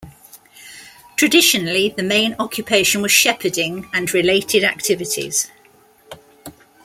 Traditionally the main occupation was shepherding and related activities.